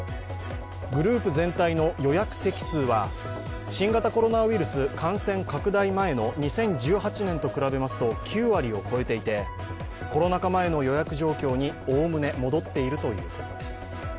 グループ全体の予約席数は新型コロナウイルス感染拡大前の２０１８年と比べますと９割を超えていて、コロナ禍前の予約状況におおむね戻っているということです。